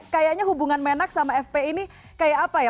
kayaknya hubungan menak sama fpi ini kayak apa ya